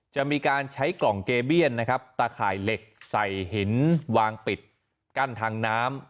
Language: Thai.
จะมีการใช้กล่องเกเบี้ยนนะครับตาข่ายเหล็กใส่หินวางปิดกั้นทางน้ำ